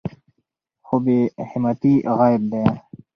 خو بې همتي عیب دی.